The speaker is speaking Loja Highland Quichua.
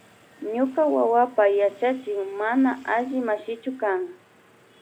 Ñuka wawapa yachachik mana alli mashichu kan.